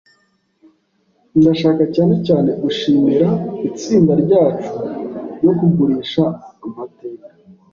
Ndashaka cyane cyane gushimira itsinda ryacu ryo kugurisha amateka.